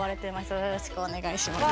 よろしくお願いします。